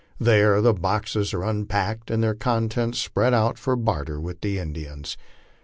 There the boxes are unpacked and their contents spread out for barter with the Indians.